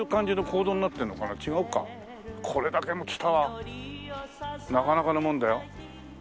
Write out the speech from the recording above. これだけのつたはなかなかのもんだよ。